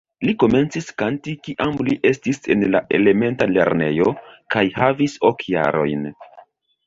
Li komencis kanti kiam li estis en la elementa lernejo kaj havis ok jarojn.